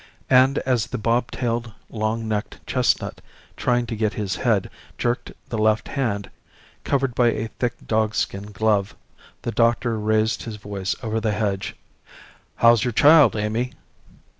And as the bobtailed, long necked chestnut, trying to get his head, jerked the left hand, covered by a thick dog skin glove, the doctor raised his voice over the hedge: "How's your child, Amy?"